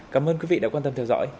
cảm ơn quý vị đã quan tâm theo dõi